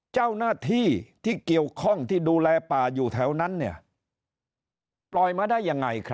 เจ้าหน้าที่ที่เกี่ยวข้องที่ดูแลป่าอยู่แถวนั้นเนี่ย